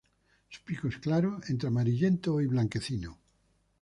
Su pico es claro, entre amarillento y blanquecino.